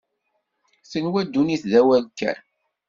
Tenwa ddunit d awal kan.